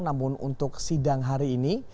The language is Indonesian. namun untuk sidang hari ini